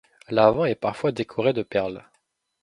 L'avant est parfois décoré de perles.